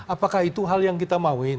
apakah itu hal yang kita mauin